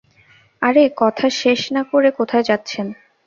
আরে কথা শেষ না করে কোথায় যাচ্ছেন।